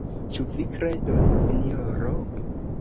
Ĉu vi kredos, sinjoro?